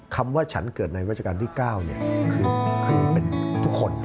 คำว่าฉันเกิดในราชการที่๙คือเป็นทุกคน